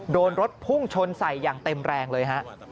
โดนรถพุ่งชนใส่อย่างเต็มแรงเลยฮะ